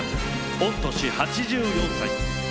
御年８４歳。